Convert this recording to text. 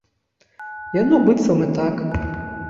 Яно быццам і так.